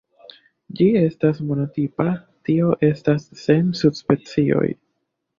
Ĝi estas monotipa, tio estas sen subspecioj.